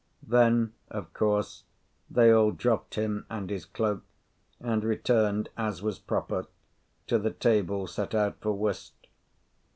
Then, of course, they all dropped him and his cloak, and returned, as was proper, to the tables set out for whist.